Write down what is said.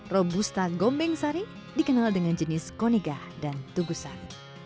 robusta gombeng sari dikenal dengan jenis koniga dan tugusan